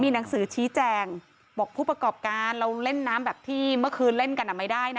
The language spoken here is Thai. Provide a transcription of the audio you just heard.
หนังสือชี้แจงบอกผู้ประกอบการเราเล่นน้ำแบบที่เมื่อคืนเล่นกันไม่ได้นะ